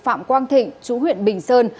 phạm quang thịnh chú huyện bình sơn